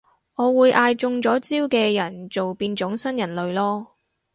我會嗌中咗招嘅人做變種新人類囉